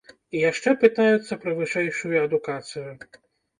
І яшчэ пытаюцца пра вышэйшую адукацыю!